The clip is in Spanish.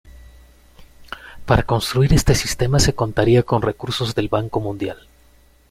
Para construir este sistema se contaría con recursos del Banco Mundial.